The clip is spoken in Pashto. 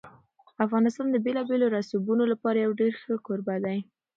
افغانستان د بېلابېلو رسوبونو لپاره یو ډېر ښه کوربه دی.